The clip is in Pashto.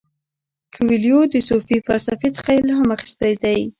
کویلیو د صوفي فلسفې څخه الهام اخیستی دی.